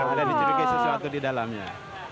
ada dicurigai sesuatu di dalamnya